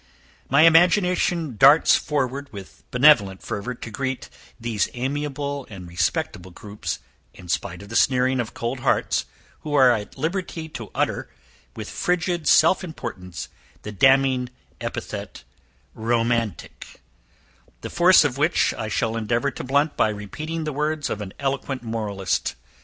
My imagination darts forward with benevolent fervour to greet these amiable and respectable groups, in spite of the sneering of cold hearts, who are at liberty to utter, with frigid self importance, the damning epithet romantic; the force of which I shall endeavour to blunt by repeating the words of an eloquent moralist.